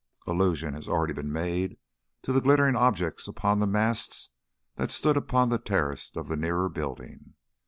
Allusion has already been made to the glittering objects upon masts that stood upon the terrace of the nearer building.